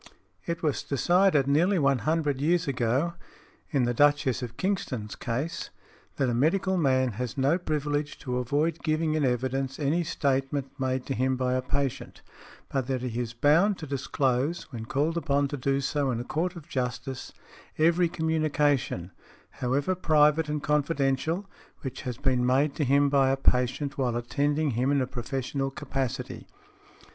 It was decided nearly one hundred years ago, in the Duchess of Kingston's case, that a medical man has no privilege to avoid giving in evidence any statement made to him by a patient, but that he is bound to disclose, when called upon to do so in a court of justice, every communication, however private and confidential, which has been made to him by a patient while attending him in a professional capacity .